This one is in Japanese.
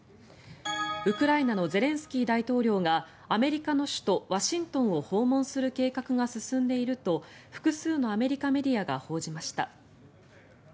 ウクライナのゼレンスキー大統領がアメリカの首都ワシントンを訪問する計画が進んでいると複数のアメリカメディアが報じました。